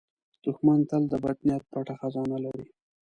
دښمن تل د بد نیت پټ خزانه لري